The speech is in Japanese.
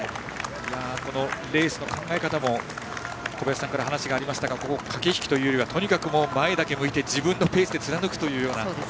レースの考え方も小林さんから話がありましたがここは駆け引きというよりとにかく前だけ向いて自分のペースを貫くというような。